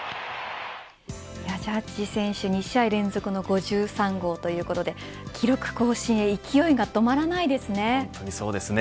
ジャッジ選手２試合連続の５３号ということで記録更新へ勢いが止まらないですね。